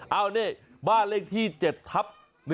เอานี่บ้านเลขที่๗ทับ๑